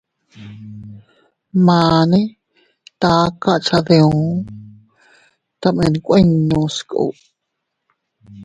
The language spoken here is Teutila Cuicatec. Mane taka cha diu, tomen kuinnu sku.